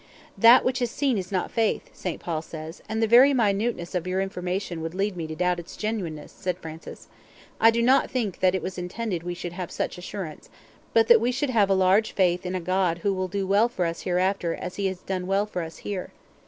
"'That which is seen is not faith,' St. Paul says, and the very minuteness of your information would lead me to doubt its genuineness," said Francis. "I do not think it was intended that we should have such assurance; but that we should have a large faith in a God who will do well for us hereafter as he has done well for us here.